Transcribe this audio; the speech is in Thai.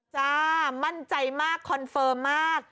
มั่นใจมากคอนเฟิร์มมาก